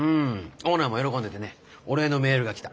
オーナーも喜んでてねお礼のメールが来た。